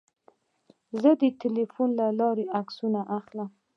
زه د موبایل له لارې عکسونه اخلم.